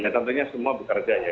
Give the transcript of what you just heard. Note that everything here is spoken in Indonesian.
tentunya semua bekerja ya